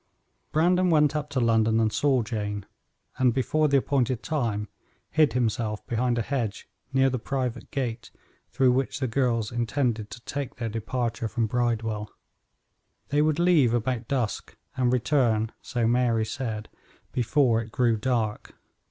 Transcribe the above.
Brandon went up to London and saw Jane, and before the appointed time hid himself behind a hedge near the private gate through which the girls intended to take their departure from Bridewell. They would leave about dusk and return, so Mary said, before it grew dark.